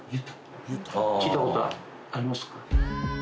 聞いたことありますか？